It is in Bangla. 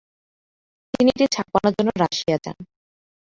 তিনি এটি ছাপানোর জন্য রাশিয়া যান।